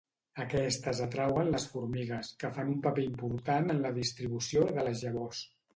Aquestes atrauen les formigues, que fan un paper important en la distribució de les llavors.